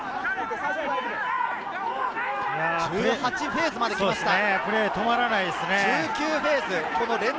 １８フェーズまで来ました。